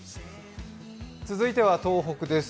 続いては東北です。